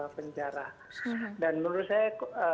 penjara dan menurut saya